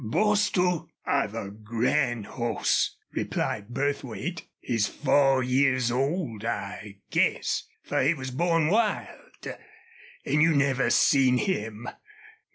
"Bostil, I've a grand hoss," replied Burthwait. "He's four years old, I guess, fer he was born wild, an' you never seen him."